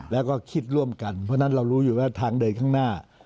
แล้วก็คิดร่วมกันเพราะฉะนั้นเรารู้อยู่ว่าทางเดินข้างหน้า